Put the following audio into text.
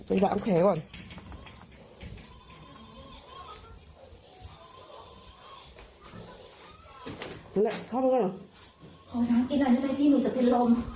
ขอน้ำกินน้ำด้วยอุ๋นว่าจะเป็นลม